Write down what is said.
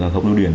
không nấu điển